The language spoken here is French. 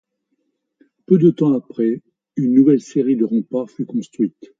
Peu de temps après, une nouvelle série de remparts fut construite.